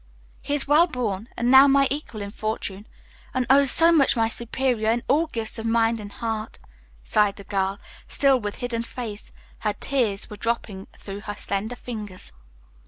"He is wellborn, and now my equal in fortune, and oh, so much my superior in all gifts of mind and heart," sighed the girl, still with hidden face, for tears were dropping through her slender fingers.